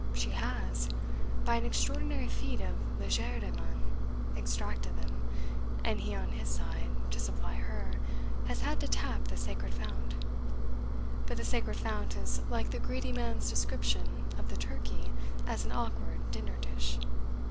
She has, by an extraordinary feat of legerdemain, extracted them; and he, on his side, to supply her, has had to tap the sacred fount. But the sacred fount is like the greedy man's description of the turkey as an 'awkward' dinner dish.